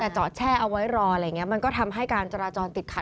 จอดแช่เอาไว้รออะไรอย่างนี้มันก็ทำให้การจราจรติดขัด